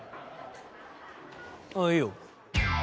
あっいいよ。